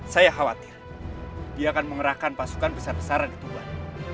saya khawatir dia akan mengerahkan pasukan besar besaran di tuban